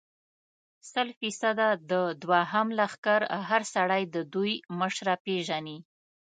سل فیصده، د دوهم لښکر هر سړی د دوی مشره پېژني.